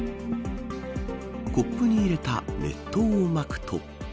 コップに入れた熱湯をまくと。